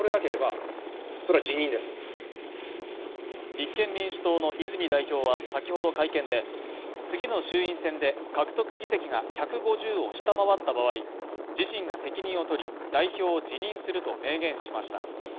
立憲民主党の泉代表は先ほど会見で、次の衆院選で、獲得議席が１５０を下回った場合、自身が責任を取り、代表を辞任すると明言しました。